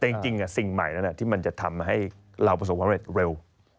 แต่จริงสิ่งใหม่นั้นที่มันจะทำให้เราประสบความเร็จเร็ว